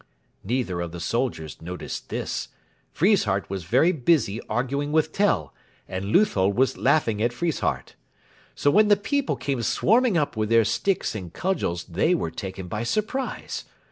Neither of the soldiers noticed this. Friesshardt was busy arguing with Tell, and Leuthold was laughing at Friesshardt. So when the people came swarming up with their sticks and cudgels they were taken by surprise.